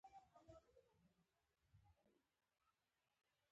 کېدل فعل لازم دی کار وشو ، کارونه وشول